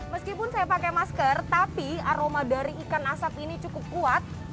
meskipun saya pakai masker tapi aroma dari ikan asap ini cukup kuat